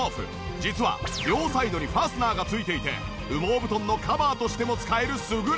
実は両サイドにファスナーが付いていて羽毛布団のカバーとしても使える優れもの。